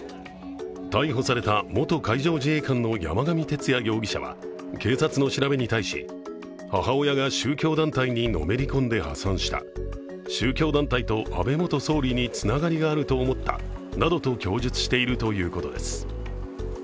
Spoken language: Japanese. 逮捕された元海上自衛官の山上徹也容疑者は警察の調べに対し、母親が宗教団体にのめり込んで破産した、宗教団体と安倍元総理につながりがあると思ったなどと供述しているということです。